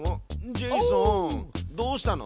ジェイソンどうしたの？